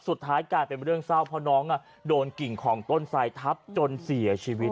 สุดท้ายกลายเป็นเรื่องเศร้าเพราะน้องโดนกิ่งของต้นทรายทับจนเสียชีวิต